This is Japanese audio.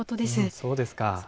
そうですか。